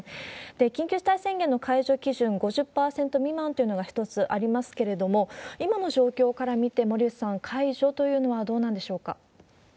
緊急事態宣言の解除基準、５０％未満というのが一つありますけれども、今の状況から見て、森内さん、解除というのはどうなんでしょうか？